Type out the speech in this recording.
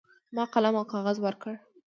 ما قلم او کاغذ ورکړ.